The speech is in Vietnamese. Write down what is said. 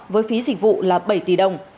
với phí dịch vụ là bảy tỷ đồng